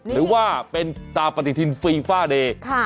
หรือว่าเป็นตาปฏิทินฟีฟ่าเดย์